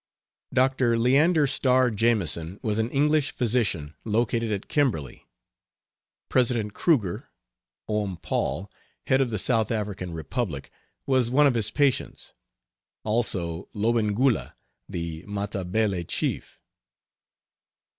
Dr. Leander Starr Jameson was an English physician, located at Kimberley. President Kruger (Oom Paul), head of the South African Republic, was one of his patients; also, Lobengula, the Matabele chief.